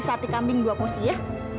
satu kambing dua porsi ya